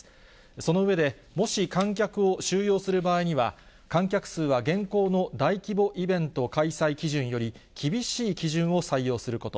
その上で、もし観客を収容する場合には、観客数は現行の大規模イベント開催基準より厳しい基準を採用すること。